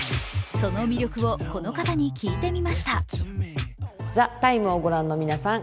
その魅力をこの方に聞いてみました。